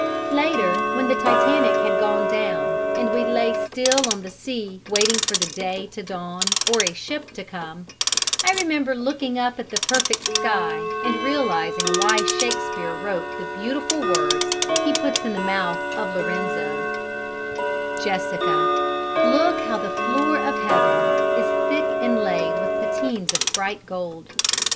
Later, when the Titanic had gone down and we lay still on the sea waiting for the day to dawn or a ship to come, I remember looking up at the perfect sky and realizing why Shakespeare wrote the beautiful words he puts in the mouth of Lorenzo: "Jessica, look how the floor of heaven Is thick inlaid with patines of bright gold.